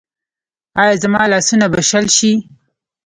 ایا زما لاسونه به شل شي؟